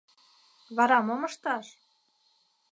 — Вара мом ышташ?